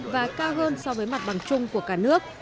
và cao hơn so với mặt bằng chung của cả nước